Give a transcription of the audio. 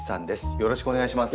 よろしくお願いします。